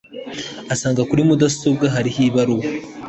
asanga kuri mudasobwa hariho ibaruwa